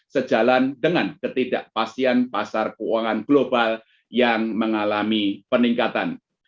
sejalan dengan ketidakpastian pasar keuangan global yang mengalami peningkatan